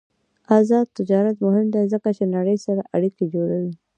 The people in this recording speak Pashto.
آزاد تجارت مهم دی ځکه چې نړۍ سره اړیکې جوړوي.